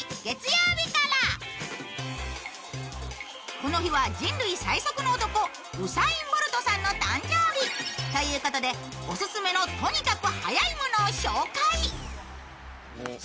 この日は人類最速の男ウサイン・ボルトさんの誕生日。ということでオススメのとにかくはやいものを紹介。